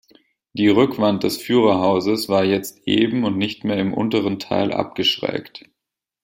Die Rückwand des Führerhauses war jetzt eben und nicht mehr im unteren Teil abgeschrägt.